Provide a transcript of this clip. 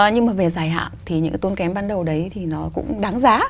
nhưng mà về dài hạn thì những cái tốn kém ban đầu đấy thì nó cũng đáng giá